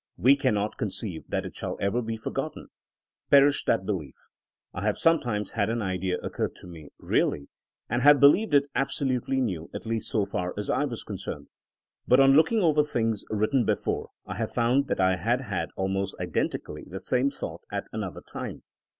We cannot conceive that it shall ever be forgotten. Perish that belief 1 I have some times had an idea occur to me (really!), and have believed it absolutely new, at least so far as I was concerned. But on looking over things written before, I have found that I had had al most identically the same thought at another time.